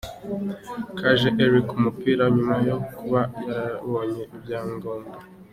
Kaje Elie ku mupira nyuma yo kuba yarabonye ibyangombwa .